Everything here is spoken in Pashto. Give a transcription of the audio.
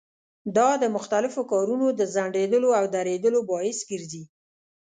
دا د مختلفو کارونو د ځنډېدلو او درېدلو باعث ګرځي.